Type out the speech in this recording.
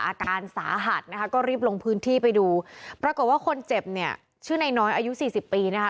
อาการสาหัสนะคะก็รีบลงพื้นที่ไปดูปรากฏว่าคนเจ็บเนี่ยชื่อนายน้อยอายุสี่สิบปีนะคะ